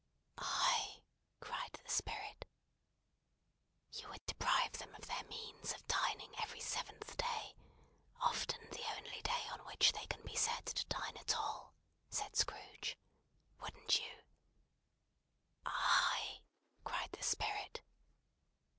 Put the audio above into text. "I!" cried the Spirit. "You would deprive them of their means of dining every seventh day, often the only day on which they can be said to dine at all," said Scrooge. "Wouldn't you?" "I!" cried the Spirit.